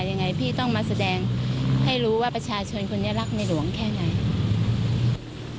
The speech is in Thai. ยังไงพี่ต้องมาแสดงให้รู้ว่าประชาชนคนนี้รักในหลวงแค่ไหน